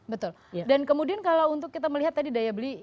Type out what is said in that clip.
betul dan kemudian kalau untuk kita melihat tadi daya beli